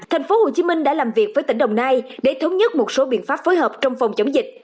tp hcm đã làm việc với tỉnh đồng nai để thống nhất một số biện pháp phối hợp trong phòng chống dịch